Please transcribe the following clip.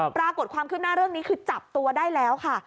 ปรากฏความขึ้นหน้าเรื่องนี้คือจับตัวได้แล้วค่ะ